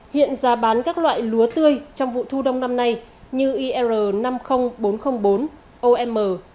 hiện giá bán các loại lúa tươi trong vụ thu đông năm nay như ir năm mươi nghìn bốn trăm linh bốn om năm nghìn bốn trăm năm mươi một